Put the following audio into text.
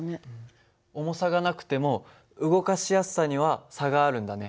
重さがなくても動かしやすさには差があるんだね。